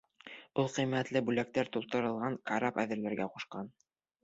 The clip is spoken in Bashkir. Ул ҡиммәтле бүләктәр тултырылған карап әҙерләргә ҡушҡан.